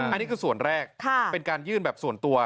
อันนี้คือส่วนแรกเป็นการยื่นแบบส่วนตัว